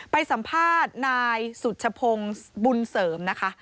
ไปสัมภาษณ์นายสุชพงศ์บุญเสริมนะคะ